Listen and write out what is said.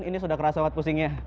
ini sudah kerasa banget pusingnya